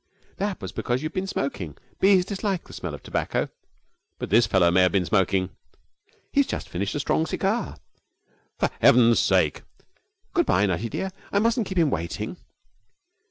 'That was because you had been smoking. Bees dislike the smell of tobacco.' 'But this fellow may have been smoking.' 'He has just finished a strong cigar.' 'For Heaven's sake!' 'Good bye, Nutty, dear; I mustn't keep him waiting.'